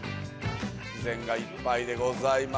自然がいっぱいでございます。